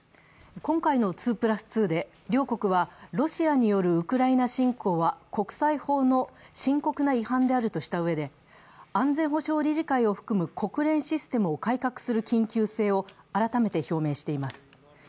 今回の２＋２で両国は、ロシアによるウクライナ侵攻は国際法の深刻な違反であるとしたうえで、安全保障理事会を含む国連システムを改革する緊急性を改めて表明しています。